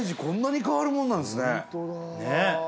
こんなに変わるもんなんですねねえ